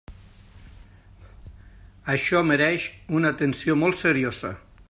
Això mereix una atenció molt seriosa.